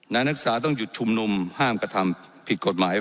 นักศึกษาต้องหยุดชุมนุมห้ามกระทำผิดกฎหมาย